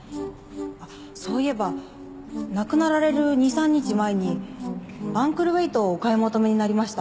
あっそういえば亡くなられる２３日前にアンクルウェートをお買い求めになりました。